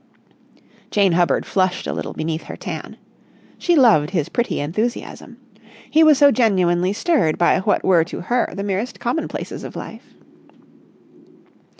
Jane Hubbard flushed a little beneath her tan. She loved his pretty enthusiasm. He was so genuinely stirred by what were to her the merest commonplaces of life.